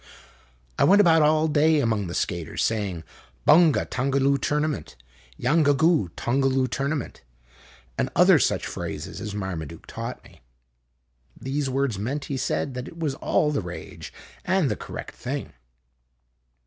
I went about all day among the skaters, saying :" Bonga Tongaloo tournament ! Yanga goo Tongaloo tourna ment !" and other such phrases as Marmaduke taught me. These words meant, he said, that it was all the rage, and the correct thing.